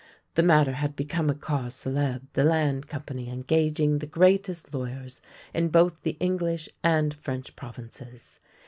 The matter had become a cause c<flebre, the Land Company engaging the greatest lawyers in both the English and French provinces.